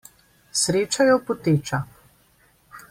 Sreča je opoteča.